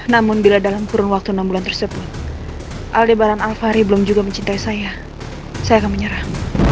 namun bila dalam kurun waktu enam bulan tersebut aldebaran alfahri belum juga mencintai saya saya akan menyerah